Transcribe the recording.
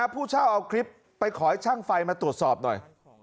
ผู้เช่าเอาคลิปไปขอให้ช่างไฟมาตรวจสอบหน่อย